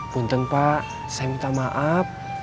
bukteng pa saya minta maaf